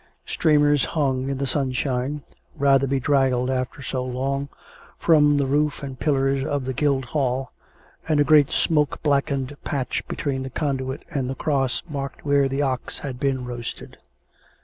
Streamers hung in the sunshine, rather bedraggled after so long, from the roof and pillars of the Guildhall, and a great smoke black ened patch between the conduit and the cross marked where the ox had been roasted.